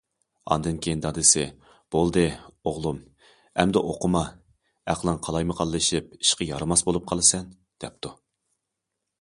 ئاندىن كېيىن دادىسى:« بولدى، ئوغلۇم، ئەمدى ئوقۇما، ئەقلىڭ قالايمىقانلىشىپ، ئىشقا يارىماس بولۇپ قالىسەن» دەپتۇ.